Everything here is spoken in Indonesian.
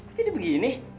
gak jadi begini